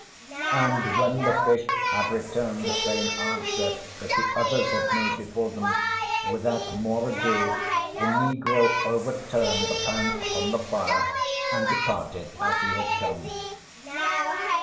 And when the fish had returned the same answer that the others had made before them, without more ado the negro overturned the pan upon the fire and departed as he had come.